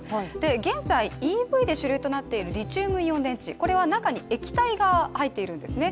現在、ＥＶで主流となっているリチウムイオン電池、これは中に液体が入っているんですね。